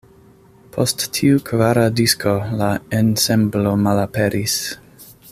Post tiu kvara disko la ensemblo malaperis.